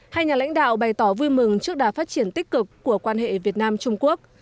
hai nhà lãnh đạo bày tỏ vui mừng trước đà phát triển tích cực của quan hệ việt nam trung quốc